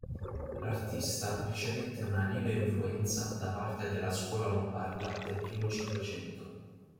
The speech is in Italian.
L'artista ricevette una lieve influenza da parte della scuola lombarda del primo Cinquecento.